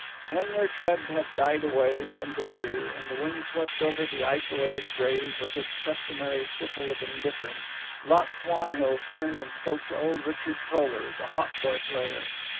When their tread had died away from the ear, and the wind swept over the isolated grave with its customary siffle of indifference, Lot Swanhills turned and spoke to old Richard Toller, the hautboy player.